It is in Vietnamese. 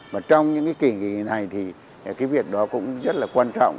và trong những cái kỳ này thì cái việc đó cũng rất là quan trọng